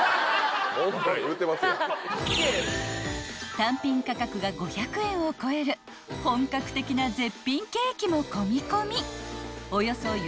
［単品価格が５００円を超える本格的な絶品ケーキも込み込み］